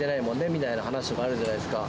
みたいな話があるじゃないですか。